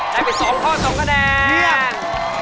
ได้ไป๒ข้อ๒คะแนน